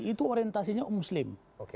itu orientasinya muslim